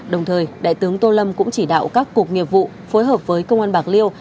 đồng thời đại tướng tô lâm cũng chỉ đạo các cục nghiệp vụ phối hợp với công an bạc liêu